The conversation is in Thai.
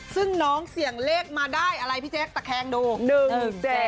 ซึ่งน้องเสี่ยงเลขมาได้อะไรพี่แจ๊คตะแคงดู